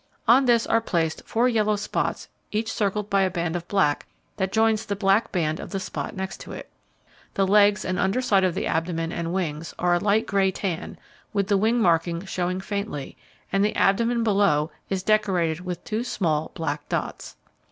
On this are placed four large yellow spots each circled by a band of black that joins the black band of the spot next to it. The legs and under side of the abdomen and wings are a light grey tan, with the wing markings showing faintly, and the abdomen below is decorated with two small black dots.